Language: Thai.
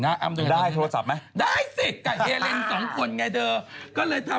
นี่อันไงตั๊กธรรหัสเราเนี่ยแหละ